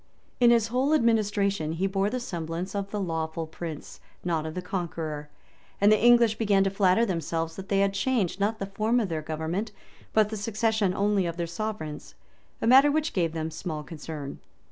In his whole administration, he bore the semblance of the lawful prince, not of the conqueror; and the English began to flatter themselves, that they had changed, not the form of their government, but the succession only of their sovereigns; a matter which gave them small concern.